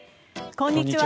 こんにちは。